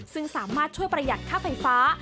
ซึ่งสามารถช่วยประหยัดค่าไฟฟ้า